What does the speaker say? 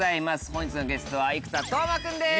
本日のゲストは生田斗真君です。